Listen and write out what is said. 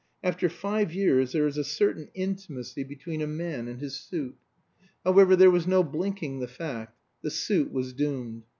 After five years there is a certain intimacy between a man and his suit. However, there was no blinking the fact the suit was doomed.